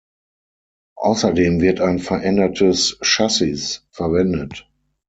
Außerdem wird ein verändertes Chassis verwendet.